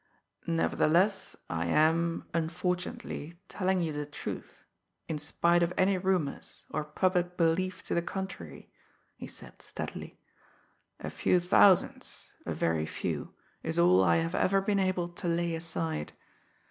"Nevertheless, I am, unfortunately, telling you the truth, in spite of any rumours, or public belief to the contrary," he said steadily. "A few thousands, a very few, is all I have ever been able to lay aside.